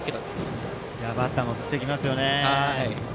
バッターも振ってきますね。